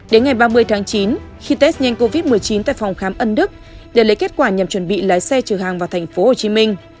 đến ngày ba mươi tháng chín khi test nhanh covid một mươi chín tại phòng khám ấn đức để lấy kết quả nhằm chuẩn bị lái xe trở hàng vào tp hcm